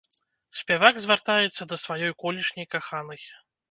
Спявак звяртаецца да сваёй колішняй каханай.